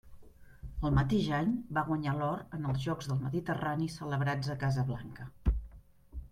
El mateix any va guanyar l'or en els Jocs del Mediterrani celebrats a Casablanca.